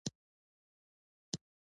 د ادبیاتو او شاعرانو یې ډېر درناوی کاوه.